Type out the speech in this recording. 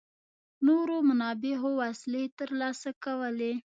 نورو منابعو وسلې ترلاسه کولې.